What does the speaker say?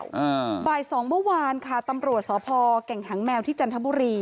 อ่าบ่ายสองเมื่อวานค่ะตำรวจสพแก่งหางแมวที่จันทบุรี